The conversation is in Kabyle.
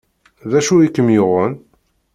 D acu i kem-yuɣen?